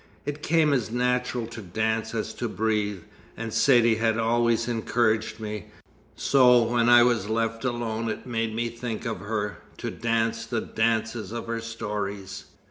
It came as natural to dance as to breathe, and Saidee had always encouraged me, so when I was left alone it made me think of her, to dance the dances of her stories."